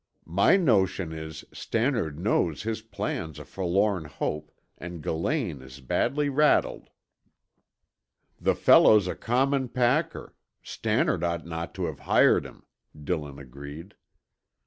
My notion is, Stannard knows his plan's a forlorn hope and Gillane is badly rattled." "The fellow's a common packer; Stannard ought not to have hired him," Dillon agreed.